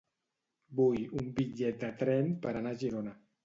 Vull un bitllet de tren per anar a Girona.